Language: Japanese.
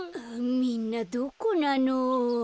みんなどこなの？